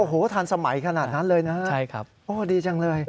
โอ้โหทันสมัยขนาดนั้นเลยนะใช่ครับโอ้ดีจังเลย